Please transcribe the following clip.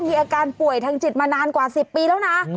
มีอาการป่วยทางจิตมานานกว่า๑๐ปีแล้วนะ